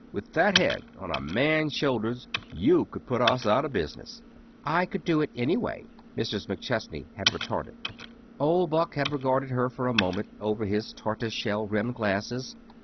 With that head on a man's shoulders, you could put us out of business." "I could do it anyway," Mrs. McChesney had retorted. Old Buck had regarded her a moment over his tortoise shell rimmed glasses.